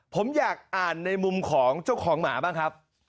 ผมอยากอ่านในมุมของเจ้าของหมาบ้างครับ